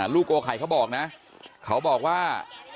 ลูกโกไข่เขาบอกนะเขาบอกว่า